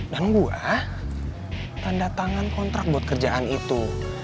dan gue tanda tangan kontrak buat kerjaan itu